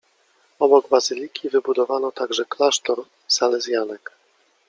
Obok bazyliki wybudowano także klasztor salezjanek.